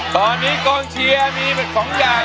ตอนนี้กองเชียร์มีเป็น๒อย่าง